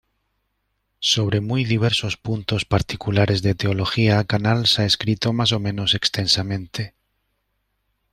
Sobre muy diversos puntos particulares de teología Canals ha escrito más o menos extensamente.